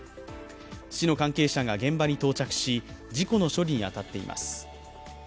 市の関係者が現場に到着し事故の処理に当たっています。